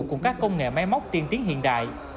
cùng các công nghệ máy móc tiên tiến hiện đại